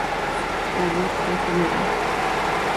Su creador fue el gral.